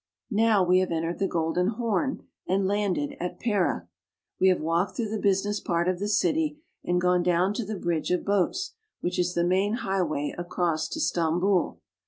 Now we have entered the Golden Horn and landed at Pera. We have walked through the business part of the city and gone down to the bridge of boats, which is the main highway across to Stambul.